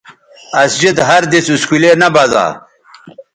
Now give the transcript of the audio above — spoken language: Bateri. اسجد ہر دِس اسکولے نہ بزا